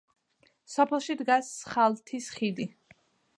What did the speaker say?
სოფელში დგას „სხალთის ხიდი“.